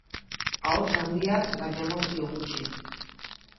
Ahots handiak, baina emozio gutxi.